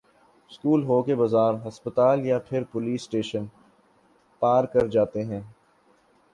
school ہو کہ بازار ہسپتال یا پھر پولیس اسٹیشن پار کر جاتے ہیں